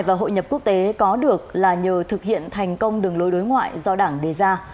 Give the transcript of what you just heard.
thành tựu về nhập quốc tế có được là nhờ thực hiện thành công đường lối đối ngoại do đảng đề ra